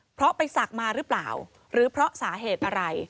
เพราะไปศักดิ์มาหรือเปล่าหรือเพราะสาเหตุอะไร